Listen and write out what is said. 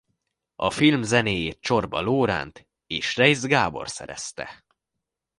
A film zenéjét Csorba Lóránt és Reisz Gábor szerezte.